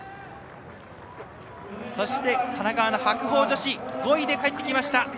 そして神奈川の白鵬女子５位で帰ってきました。